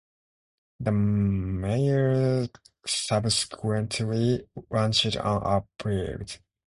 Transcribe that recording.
The mayor subsequently launched an appeal.